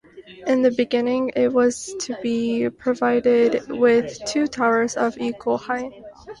In the beginning, it was to be provided with two towers of equal height.